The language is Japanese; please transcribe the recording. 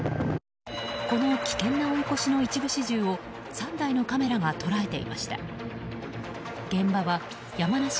この危険な追い越しの一部始終を３台のカメラが捉えていました。